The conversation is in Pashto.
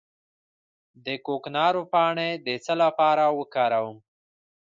د کوکنارو پاڼې د څه لپاره وکاروم؟